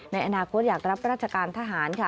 ในอนาคตอยากรับราชการทหารค่ะ